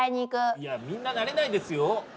いやみんななれないですよ。